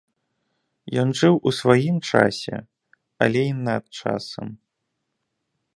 Ён жыў у сваім часе, але і над часам.